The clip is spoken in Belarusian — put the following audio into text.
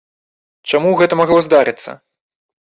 Чаму гэта магло здарыцца?